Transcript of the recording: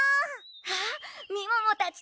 あっみももたちだ！